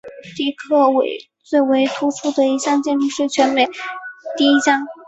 底特律最为突出的建筑是全美第一家。